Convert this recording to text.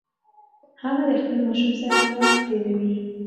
هغه د خپل ماشوم سره وخت تیروي.